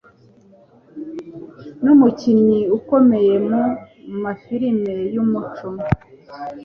n'Umukinnyi ukomeye mu. ma firimi y'umuco